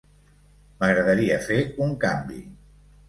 M'agradaria fer un canvi.